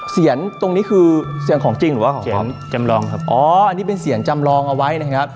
ตรงนี้คือเสียงของจริงหรือว่าของเสียงจำลองครับอ๋ออันนี้เป็นเสียงจำลองเอาไว้นะครับ